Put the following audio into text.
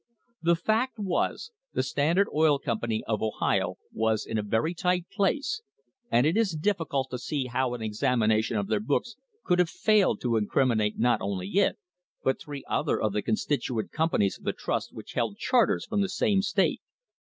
The fact was, the Standard Oil Company of Ohio was in a very tight place, and it is difficult to see how an examination of their books could have failed to incriminate not only it, but three other of the constituent companies of the trust which held charters from the same state.